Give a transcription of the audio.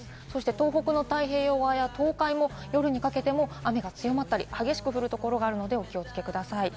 東北の太平洋側や東海も夜にかけて雨が強まったり激しく降ったりするところがあるので、お気をつけください。